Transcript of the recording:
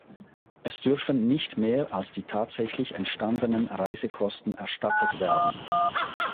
Es dürfen nicht mehr als die tatsächlich entstandenen Reisekosten erstattet werden.